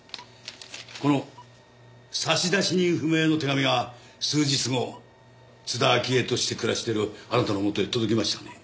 この差出人不明の手紙が数日後津田明江として暮らしてるあなたのもとへ届きましたね。